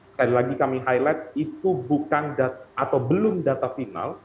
sekali lagi kami highlight itu bukan atau belum data final